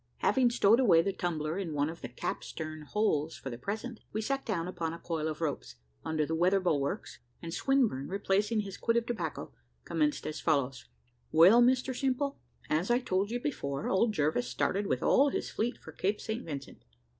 Having stowed away the tumbler in one of the cap stern holes for the present, we sat down upon a coil of ropes under the weather bulwarks, and Swinburne, replacing his quid of tobacco, commenced as follows: "Well, Mr Simple, as I told you before, old Jervis started with all his fleet for Cape St. Vincent.